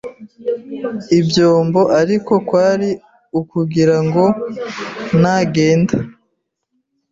ibyombo ariko kwari ukugirango nagenda